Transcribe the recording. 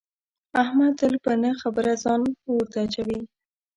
احمد تل په نه خبره ځان اور ته اچوي.